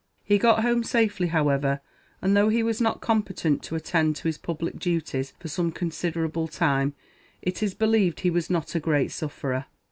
He got home safely, however; and though he was not competent to attend to his public duties for some considerable time, it is believed he was not a great sufferer.